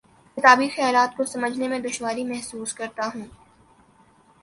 کتابی خیالات کو سمجھنے میں دشواری محسوس کرتا ہوں